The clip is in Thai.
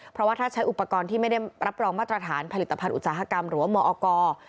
เพราะว่าถ้าใช้อุปกรณ์ที่ไม่ได้รับรองมาตรฐานผลิตภัณฑ์อุตสาหกรรมหรือว่ามอกร